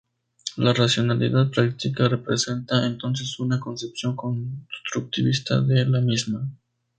La racionalidad práctica representa entonces una concepción constructivista de la misma.